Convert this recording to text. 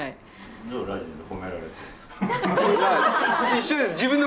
一緒です。